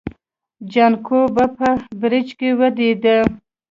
جانکو به په برج کې ويدېده.